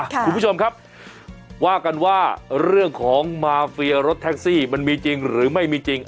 คุณผู้ชมครับว่ากันว่าเรื่องของมาเฟียรถแท็กซี่มันมีจริงหรือไม่มีจริง